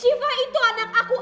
siva itu anak aku